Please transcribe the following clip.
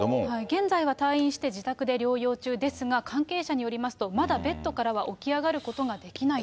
現在は退院して、自宅で療養中ですが、関係者によりますと、まだベッドからは起き上がることができないと。